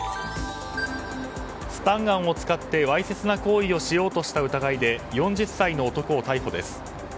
スタンガンを使ってわいせつな行為をしようとした疑いで４０歳の男を逮捕です。